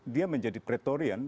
dia menjadi praetorian